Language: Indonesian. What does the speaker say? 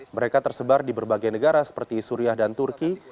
mereka tersebar di berbagai negara seperti suriah dan turki